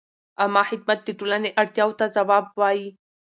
عامه خدمت د ټولنې اړتیاوو ته ځواب وايي.